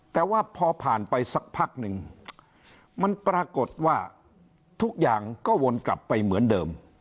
แต่ว่าพอผ่านไปสักพักหนึ่งมันปรากฏว่าทุกอย่างก็วนกลับไปเหมือนเดิม